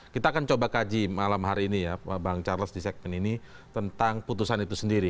kita akan coba kaji malam hari ini ya bang charles di segmen ini tentang putusan itu sendiri